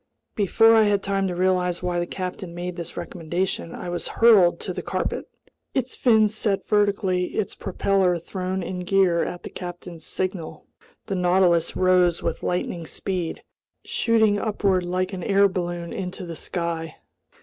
Before I had time to realize why the captain made this recommendation, I was hurled to the carpet. Its fins set vertically, its propeller thrown in gear at the captain's signal, the Nautilus rose with lightning speed, shooting upward like an air balloon into the sky.